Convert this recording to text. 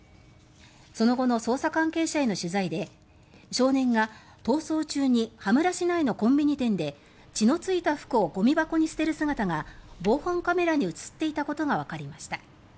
その後の捜査関係者への取材で少年が、逃走中に羽村市内のコンビニ店で血のついた服をゴミ箱に捨てる姿が防犯カメラに映っていたことがわかりました。